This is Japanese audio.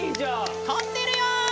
飛んでるよ！